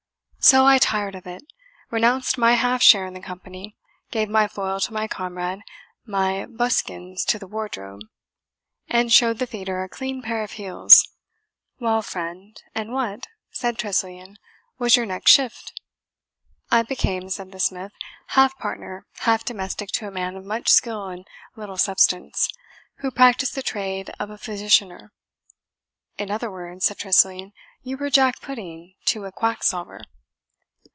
So I tired of it renounced my half share in the company, gave my foil to my comrade, my buskins to the wardrobe, and showed the theatre a clean pair of heels." "Well, friend, and what," said Tressilian, "was your next shift?" "I became," said the smith, "half partner, half domestic to a man of much skill and little substance, who practised the trade of a physicianer." "In other words," said Tressilian, "you were Jack Pudding to a quacksalver."